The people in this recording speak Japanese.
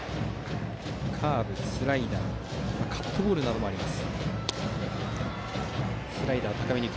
カーブ、スライダーカットボールもあります。